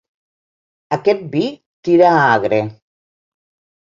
Aquest vi tira a agre.